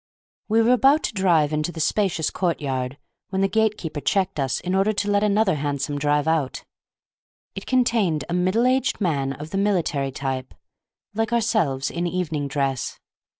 We were about to drive into the spacious courtyard when the gate keeper checked us in order to let another hansom drive out. It contained a middle aged man of the military type, like ourselves in evening dress.